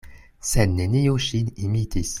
Sed neniu ŝin imitis.